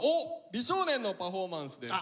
美少年のパフォーマンスです。